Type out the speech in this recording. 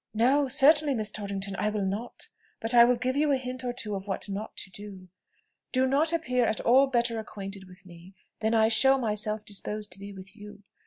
"No, certainly, Miss Torrington, I will not. But I will give you a hint or two what not to do. Do not appear at all better acquainted with me than I show myself disposed to be with you.